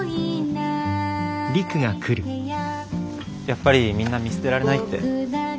やっぱりみんな見捨てられないって。